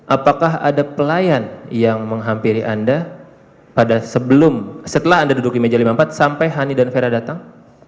apakah ada pelayan yang menghampiri anda pada sebelum setelah anda duduk di meja lima puluh empat sampai hani dan vera datang